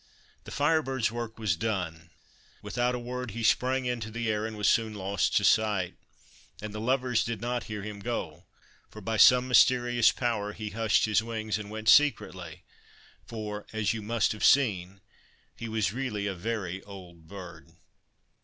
The Fire Bird's work was done. Without a word he sprang into the air, and was soon lost to sight. And the lovers did not hear him go, for, by some mysterious power, he hushed his wings and went secretly, for, as you must have seen, he was really a very old bird.